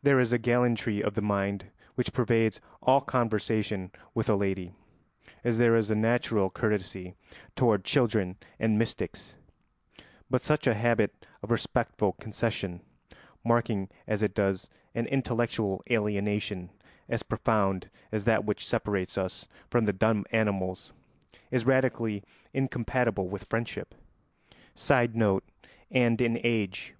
There is a gallantry of the mind which pervades all conversation with a lady, as there is a natural courtesy toward children and mystics; but such a habit of respectful concession, marking as it does an intellectual alienation as profound as that which separates us from the dumb animals, is radically incompatible with friendship. [Sidenote: and in age.